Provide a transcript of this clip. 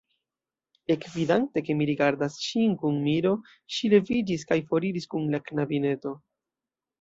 Ekvidante, ke mi rigardas ŝin kun miro, ŝi leviĝis kaj foriris kun la knabineto.